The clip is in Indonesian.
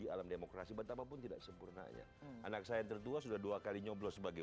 di alam demokrasi betapa pun tidak sempurnanya anak saya tertua sudah dua kali nyoblo sebagai